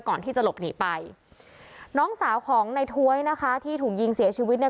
ก่อนที่จะหลบหนีไปน้องสาวของในถ้วยนะคะที่ถูกยิงเสียชีวิตเนี่ย